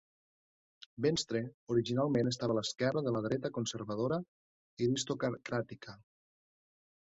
Venstre originalment estava a l'esquerra de la dreta conservadora i aristocràtica.